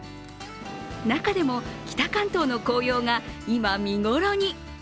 中でも北関東の紅葉が今、見頃に。